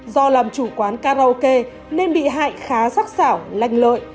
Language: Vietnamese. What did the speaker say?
do làm chủ quán karaoke nên bị hải khá xác xảo lành lợi